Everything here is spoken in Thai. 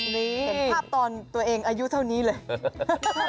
นี่เห็นภาพตอนตัวเองอายุเท่านี้เลย